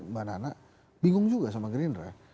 mbak nana bingung juga sama gerindra